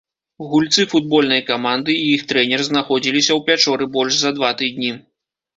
Гульцы футбольнай каманды і іх трэнер знаходзіліся ў пячоры больш за два тыдні.